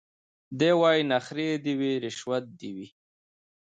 دی وايي نخرې دي وي رشوت دي وي